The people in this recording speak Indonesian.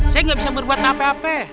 saya nggak bisa berbuat apa apa